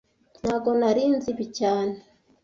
Ntago nari nzi ibi cyane